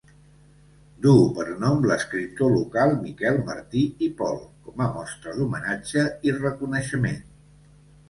Duu per nom l'escriptor local Miquel Martí i Pol com a mostra d'homenatge i reconeixement.